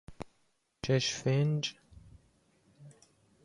شش فنج